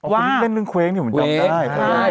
ว่าคุณเล่นเรื่องเคว้งที่ผมจอบได้